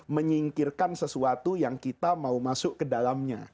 menyingkirkan sesuatu yang kita mau masuk ke dalamnya